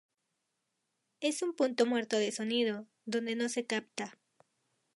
Es un punto muerto de sonido, donde no se capta.